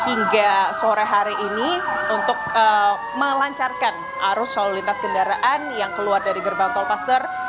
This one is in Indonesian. atau ini adalah jalan tol yang harus dilakukan untuk melancarkan arus lintas kendaraan yang keluar dari gerbang tolpaster